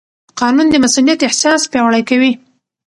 قانون د مسوولیت احساس پیاوړی کوي.